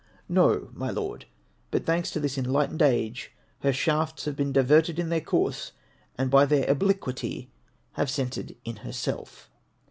No, my Lord ; but thanks to this enlightened age, her shafts have been diverted in their course, and by their obliquity have centred in herself.